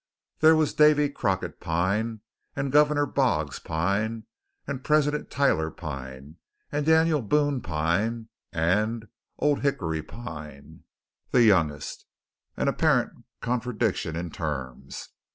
There was David Crockett Pine, and Governor Boggs Pine, and President Tyler Pine, and Daniel Boone Pine, and Old Hickory Pine, the youngest, an apparent contradiction in terms.